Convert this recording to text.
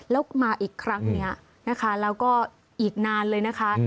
แล้วมาอีกครั้งนี้นะคะแล้วก็อีกนานเลยนะคะ